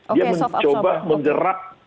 dia mencoba menjerak